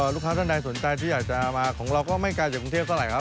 ลูกค้าท่านใดสนใจที่อยากจะเอามาของเราก็ไม่กลายจากกรุงเทียบเท่าไหร่ครับ